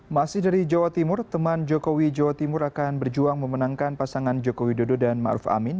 masih dari jawa timur teman jokowi jawa timur akan berjuang memenangkan pasangan jokowi dodo dan ma'ruf amin